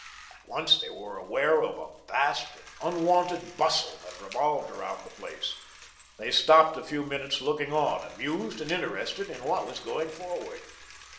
At once they were aware of a vast and unwonted bustle that revolved about the place. They stopped a few moments looking on, amused and interested in what was going forward.